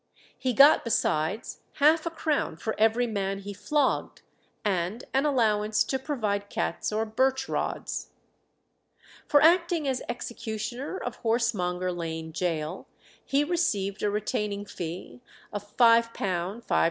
He got besides half a crown for every man he flogged, and an allowance to provide cats or birch rods. For acting as executioner of Horsemonger Lane Gaol he received a retaining fee of £5 5_s.